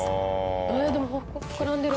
ええでも膨らんでる。